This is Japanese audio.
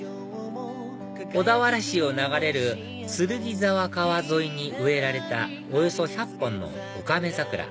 小田原市を流れる剣沢川沿いに植えられたおよそ１００本のおかめ桜